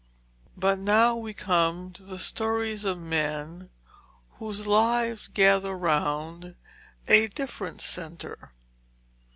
But now we come to the stories of men whose lives gather round a different centre.